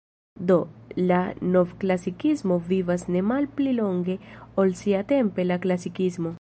Do, la novklasikismo vivas ne malpli longe ol siatempe la klasikismo.